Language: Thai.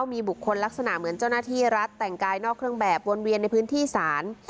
มีบุคคลลักษณะเหมือนเจ้าหน้าที่รัฐแต่งกายนอกเครื่องแบบวนเวียนในพื้นที่ศาล